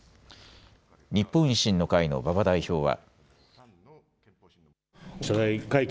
日本維新の会の馬場代表は。